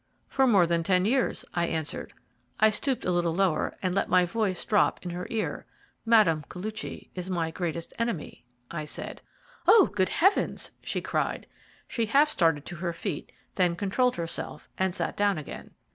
"For more than ten years," I answered. I, stooped a little lower and let my voice drop in her ear. "Mme. Koluchy is my greatest enemy," I said. "Oh, good heavens!" she cried. She half started to her feet, then controlled herself and sat down again.